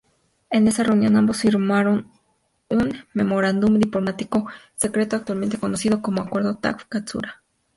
En esa reunión, ambos firmaron un memorándum diplomático secreto actualmente conocido como "Acuerdo Taft-Katsura".